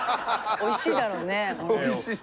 おいしいだろうね。